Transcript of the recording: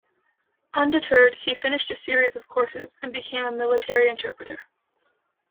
Undeterred, he finished a series of courses and became a military interpreter.